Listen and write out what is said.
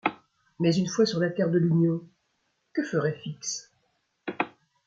Mais une fois sur la terre de l’Union, que ferait Fix ?